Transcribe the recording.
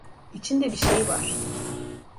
İçinde bir şey var.